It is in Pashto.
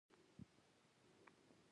خولۍ د پښتنو شجاعت ښکارندویي کوي.